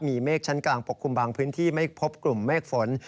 มีเมฆชั้นกลางปกคลุมบางพื้นที่ไม่พบกลุ่มเมฆฝน